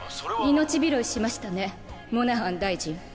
命拾いしましたねモナハン大臣。